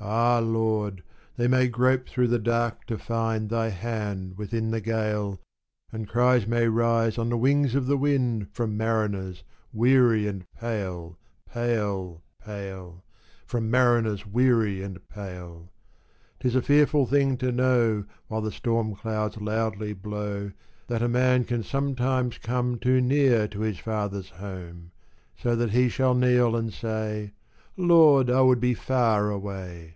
Ah, Lord! they may grope through the dark to find Thy hand within the gale; And cries may rise on the wings of the wind From mariners weary and pale, pale, pale From mariners weary and pale! 'Tis a fearful thing to know, While the storm winds loudly blow, That a man can sometimes come Too near to his father's home; So that he shall kneel and say, "Lord, I would be far away!"